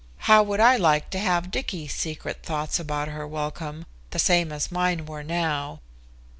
How would I like to have Dicky's secret thoughts about her welcome the same as mine were now?